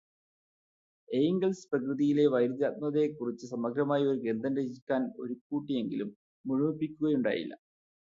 Engels പ്രകൃതിയിലെ വൈരുധ്യാത്മകതയെക്കുറിച്ച് സമഗ്രമായി ഒരു ഗ്രന്ഥം രചിക്കാൻ ഒരുക്കൂട്ടിയെങ്കിലും മുഴുമിപ്പിക്കുകയുണ്ടായില്ല.